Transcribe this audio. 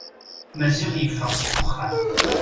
Maziɣ yeffeɣ seg uxxam.